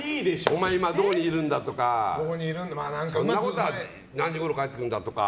お前、今、どこにいるんだとか何時ごろ帰ってくるんだとか。